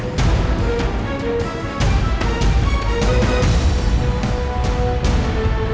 ini putri harus gimana ya allah